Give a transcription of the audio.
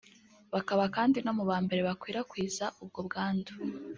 bakaba kandi no mu ba mbere bakwirakwiza ubwo bwandu